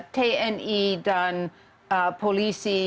tni dan polisi